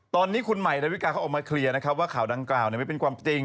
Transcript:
ตอนนี้คุณใหม่ดาวิกาเขาออกมาเคลียร์นะครับว่าข่าวดังกล่าวไม่เป็นความจริง